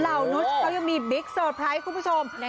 เหล่านู้นก็ยังมีบิ๊กเซอร์ไพรส์คุณผู้ชม